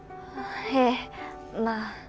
ええまあ。